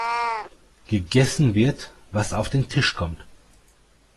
Gegessen wird, was auf den Tisch kommt.